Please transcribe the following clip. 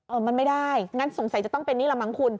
มันไม่ได้งั้นสงสัยจะต้องเป็นนี่แหละมั้งคุณ